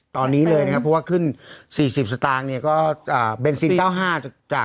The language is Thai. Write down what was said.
ตอนนี้เลยนะครับเพราะว่าขึ้นสี่สิบสตางค์เนี้ยก็ห้า